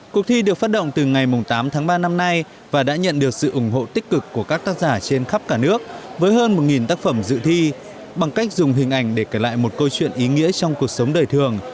cuộc thi được phát động từ ngày tám tháng ba năm nay và đã nhận được sự ủng hộ tích cực của các tác giả trên khắp cả nước với hơn một tác phẩm dự thi bằng cách dùng hình ảnh để kể lại một câu chuyện ý nghĩa trong cuộc sống đời thường